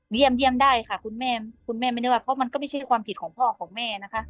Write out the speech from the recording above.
เยี่ยมได้ค่ะคุณแม่คุณแม่ไม่ได้ว่าเพราะมันก็ไม่ใช่ความผิดของพ่อของแม่นะคะ